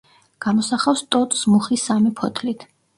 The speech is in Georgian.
გამოსახავს ტოტს მუხის სამი ფოთლით.